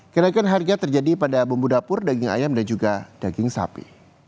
kenaikan harga terjadi pada bumbu dapur daging ayam dan juga daging sapi